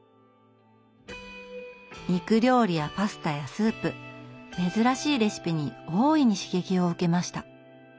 肉料理やパスタやスープ珍しいレシピに大いに刺激を受けました。